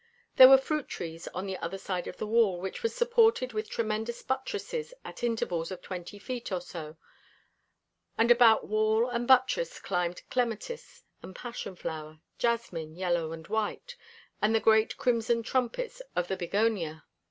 There were fruit trees on the other side of the wall, which was supported with tremendous buttresses at intervals of twenty feet or so, and about wall and buttresses climbed clematis and passion flower, jasmine, yellow and white, and the great crimson trumpets of the bignonia.